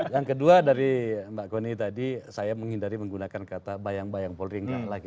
yang kedua dari mbak goni tadi saya menghindari menggunakan kata bayang bayang polring